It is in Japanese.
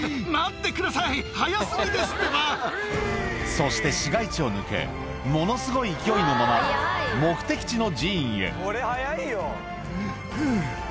そして市街地を抜けものすごい勢いのまま目的地の寺院へふぅ。